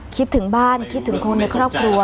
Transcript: คิดถึงบ้านคิดถึงคนในครอบครัว